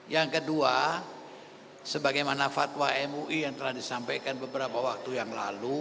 yang kedua sebagaimana fatwa mui yang telah disampaikan beberapa waktu yang lalu